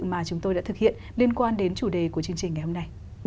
mà chúng tôi đã thực hiện liên quan đến chủ đề của chương trình ngày hôm nay